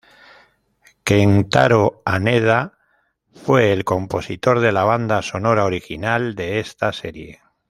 Kentaro Haneda fue el compositor de la banda sonora original de esta serie.